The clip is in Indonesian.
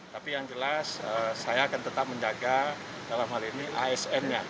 tapi yang jelas saya akan tetap menjaga dalam hal ini asn nya